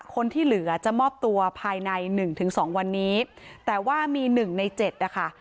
คนที่เหลือจะมอบตัวภายในหนึ่งถึงสองวันนี้แต่ว่ามีหนึ่งในเจ็ดนะคะ